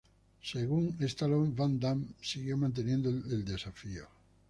Según Stallone, Van Damme lo siguió manteniendo el desafío.